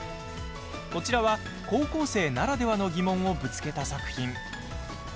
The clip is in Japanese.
こちらは、高校生ならではの疑問をぶつけた作品。